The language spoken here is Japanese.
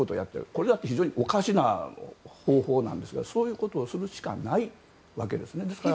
これだっておかしな方法ですがそういうことをするしかないわけです。